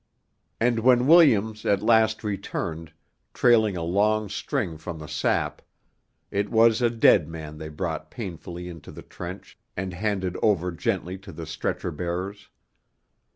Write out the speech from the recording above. And when Williams at last returned, trailing a long string from the sap, it was a dead man they brought painfully into the trench and handed over gently to the stretcher bearers.